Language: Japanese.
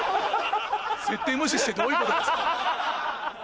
設定無視してどういうことですか？